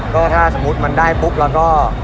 ก็ถ้าสมมุติมันได้ปุ๊บแล้วก็